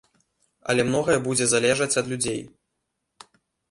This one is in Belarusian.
Але многае будзе залежаць ад людзей.